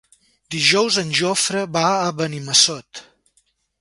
Dijous en Jofre va a Benimassot.